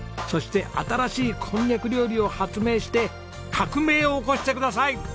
そして新しいこんにゃく料理を発明して革命を起こしてください！